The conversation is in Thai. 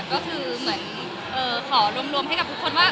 ก็คือเหมือนขอรวมให้กับทุกคนว่า